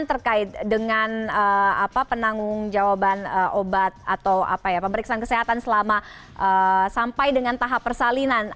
terkait dengan penanggung jawaban obat atau pemeriksaan kesehatan selama sampai dengan tahap persalinan